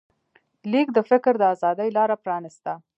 لیک د فکر د ازادۍ لاره پرانسته.